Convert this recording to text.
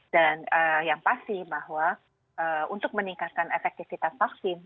dan yang pasti bahwa untuk meningkatkan efektifitas vaksin